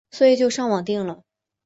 所以就上网订了